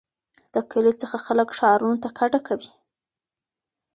له کلیو څخه خلک ښارونو ته کډه کوي.